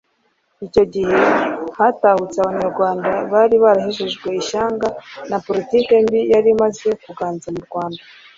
Icyo gihe hatahutse Abanyarwanda bari barahejejwe ishyanga na politiki mbi yari imaze kuganza mu Rwanda